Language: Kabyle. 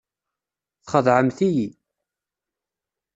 Txedɛemt-iyi.